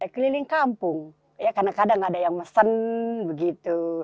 keliling kampung ya kadang kadang ada yang mesen begitu